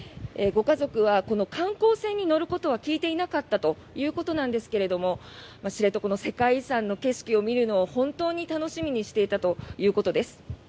ご家族はこの観光船に乗ることは聞いていなかったということなんですが知床の世界遺産の景色を見るのを本当に楽しみにしていたということです。